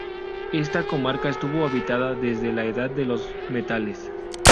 Esta comarca estuvo habitada desde la Edad de los Metales.